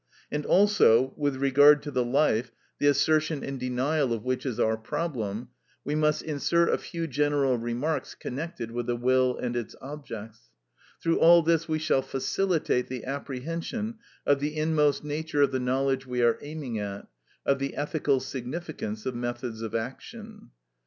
And also, with regard to the life, the assertion and denial of which is our problem, we must insert a few general remarks connected with the will and its objects. Through all this we shall facilitate the apprehension of the inmost nature of the knowledge we are aiming at, of the ethical significance of methods of action.